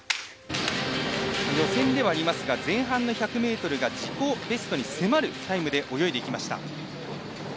予選ではありますが前半の１００ｍが自己ベストに迫るタイムで泳いでいきました。